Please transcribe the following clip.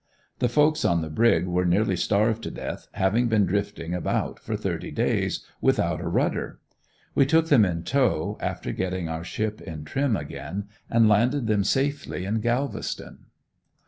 The folks on the Brig were nearly starved to death, having been drifting about for thirty days without a rudder. We took them in tow, after getting our ship in trim again, and landed them safely in Galveston.